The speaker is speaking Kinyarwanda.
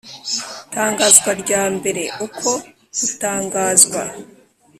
tangazwa rya mbere uko gutangazwa